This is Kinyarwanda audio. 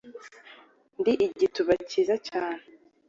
Ndi igituba cyiza cyane